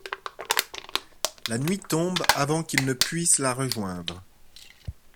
La nuit tombe avant qu'il ne puisse la rejoindre.